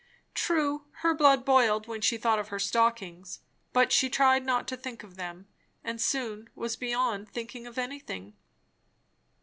True, her blood boiled when she thought of her stockings; but she tried not to think of them, and soon was beyond thinking of anything.